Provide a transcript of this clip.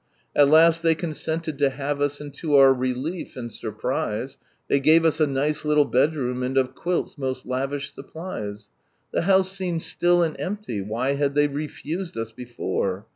At last they consented to have ua, and to our relief and surprise They gave us a nice little bedroom, and of quilts most lavish supplies. The house seemed still, and empty, why had they refused us before